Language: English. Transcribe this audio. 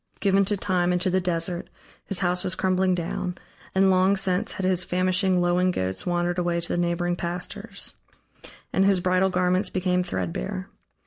Given to Time and to the Desert, his house was crumbling down, and long since had his famishing, lowing goats wandered away to the neighboring pastures. And his bridal garments became threadbare.